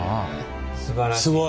すばらしい。